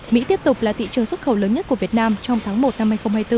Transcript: mỹ tiếp tục là thị trường xuất khẩu lớn nhất của việt nam trong tháng một năm hai nghìn hai mươi bốn